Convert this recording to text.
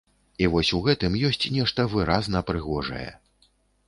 І вось у гэтым ёсць нешта выразна прыгожае.